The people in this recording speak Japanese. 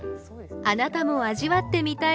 あなたも味わってみたい